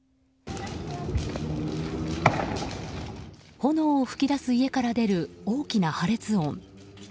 炎を噴き出す家から出る大きな破裂音。